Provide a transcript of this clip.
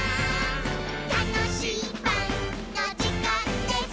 「たのしいパンのじかんです！」